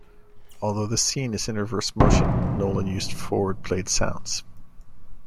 Although the scene is in reverse motion, Nolan used forward-played sounds.